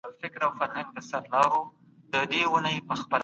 حق د باطل په وړاندي لکه ډال دی.